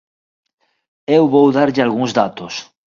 Eu vou darlle algúns datos.